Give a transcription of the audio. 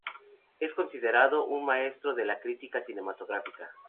Es considerado un maestro de la crítica cinematográfica.